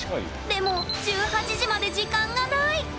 でも１８時まで時間がない！